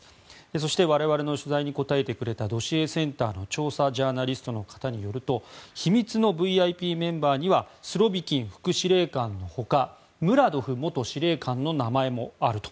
そして我々の取材に答えてくれたドシエセンターの調査ジャーナリストの方によると秘密のＶＩＰメンバーにはスロビキン副司令官の他ムラドフ元司令官の名前もあると。